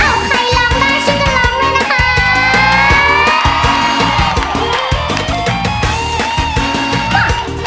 เอ้าใครร้องได้ฉันจะร้องด้วยนะคะ